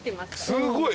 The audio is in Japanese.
すごい。